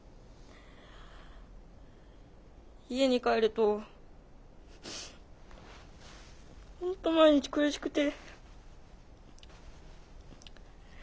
家に帰るとほんと毎日苦しくて。